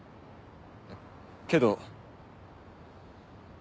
けど。